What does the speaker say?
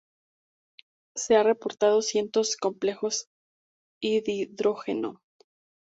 Se ha reportado cientos de complejos de dihidrógeno.